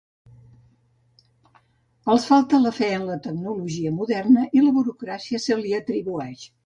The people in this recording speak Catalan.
Els falta la fe en la tecnologia moderna i la burocràcia se li atribueix.